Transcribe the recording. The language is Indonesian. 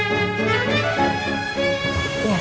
pasti berdebat aku